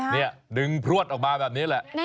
นี่ดึงพลวดออกมาแบบนี้แหละ